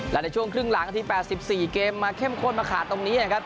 และในช่วงครึ่งหลังนาที๘๔เกมมาเข้มข้นมาขาดตรงนี้นะครับ